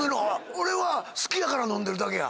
俺は好きやから飲んでるだけや。